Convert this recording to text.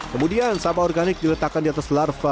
kemudian sampah organik diletakkan di atas larva